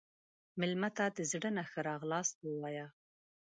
مېلمه ته د زړه نه ښه راغلاست ووایه.